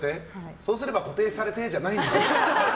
そうすれば固定されてじゃないんですよ。